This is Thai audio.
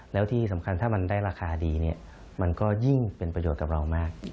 แล้วที่สำคัญถ้ามันได้ราคาดีเนี่ยมันก็ยิ่งเป็นประโยชน์กับเรามาก